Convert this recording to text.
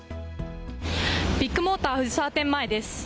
ビッグモーター藤沢店前です。